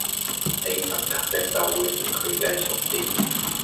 地心吸力就會令佢繼續跌